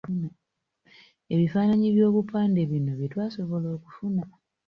Ebifaananyi by'obupande bino bye twasobola okufuna.